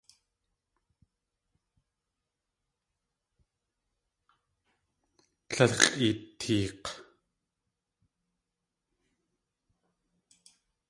Líl x̲ʼeeteek̲!